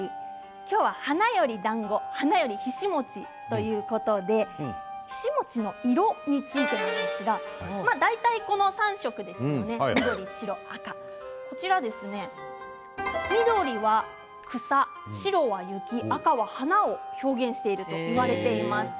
今日は花よりだんご花よりひし餅、ということでひし餅の色についてなんですが大体この３色、緑、白、赤緑は草、白は雪赤は花を表現していると言われています。